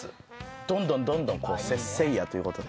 どんどんどんどんこうせっせいやということで。